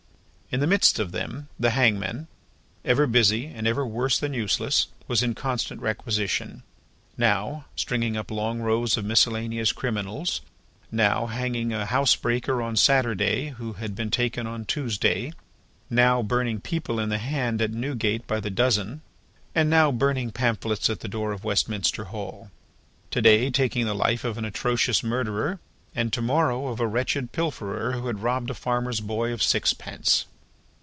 In the midst of them, the hangman, ever busy and ever worse than useless, was in constant requisition; now, stringing up long rows of miscellaneous criminals; now, hanging a housebreaker on Saturday who had been taken on Tuesday; now, burning people in the hand at Newgate by the dozen, and now burning pamphlets at the door of Westminster Hall; to day, taking the life of an atrocious murderer, and to morrow of a wretched pilferer who had robbed a farmer's boy of sixpence.